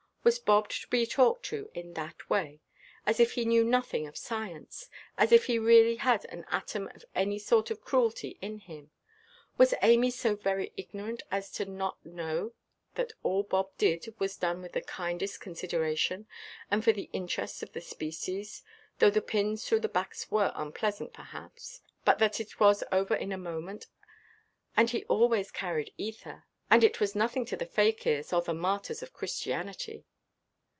Was Bob to be talked to in that way? As if he knew nothing of science! As if he really had an atom of any sort of cruelty in him! Was Amy so very ignorant as not to know that all Bob did was done with the kindest consideration, and for the interest of the species, though the pins through the backs were unpleasant, perhaps? But that was over in a moment, and he always carried ether; and it was nothing to the Fakirs, or the martyrs of Christianity.